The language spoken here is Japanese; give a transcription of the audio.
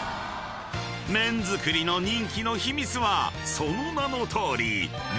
［麺づくりの人気の秘密はその名のとおり］